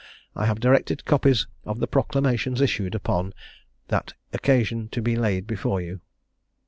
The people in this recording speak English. I have directed copies of the proclamations issued upon that occasion to be laid before you.